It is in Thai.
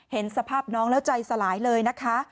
เห็นสภาพน้องแล้วใจสลายเลยนะคะ